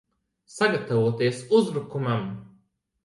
Sagatavoties uzbrukumam!